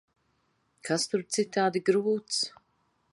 Kas tur citādi grūts?